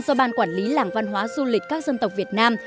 do ban quản lý làng văn hóa du lịch các dân tộc việt nam